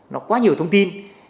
nó quá nhiều thông tin